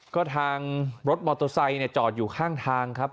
ก็ทางรถมอเตอร์ไซค์จอดอยู่ข้างทางครับ